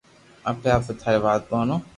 اپي ٿارو وات ڪوئي مونو